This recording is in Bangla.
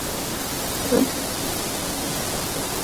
উচ্চমাধ্যমিক শ্রেণীতে বাংলা মাধ্যমে এখানে পাঠদান করা হয়ে থাকে।